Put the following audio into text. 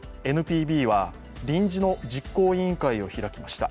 ＮＰＢは、臨時の実行委員会を開きました。